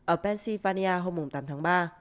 ở pennsylvania hôm tám tháng ba